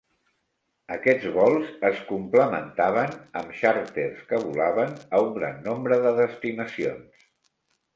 Aquests vols es complementaven amb xàrters que volaven a un gran nombre de destinacions.